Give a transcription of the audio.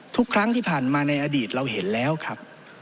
ทุกครั้งที่ผ่านมาในอดีตเราเห็นแล้วครับ